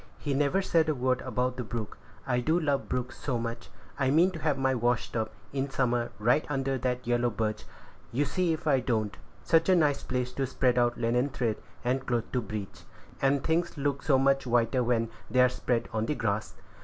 He never said a word about the brook. I do love brooks so much! I mean to have my wash tub, in summer, right under that yellow birch; you see if I don't. Such a nice place to spread out linen thread and cloth to bleach; and things look so much whiter when they are spread on the grass!